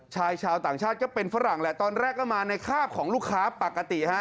ชายชาวต่างชาติก็เป็นฝรั่งแหละตอนแรกก็มาในคาบของลูกค้าปกติฮะ